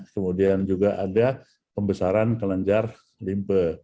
kemudian juga ada pembesaran kelenjar limpe